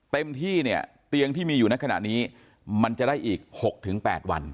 เตรียมที่เตียงที่มีอยู่นักขณะนี้มันจะได้อีก๖๘วัน